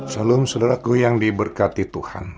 salum saudaraku yang diberkati tuhan